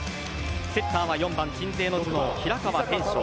セッターは４番鎮西の頭脳・平川天翔。